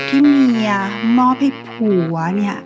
พี่ถึกจ้าชายหญิงอยู่ในห้องด้วยกันซะ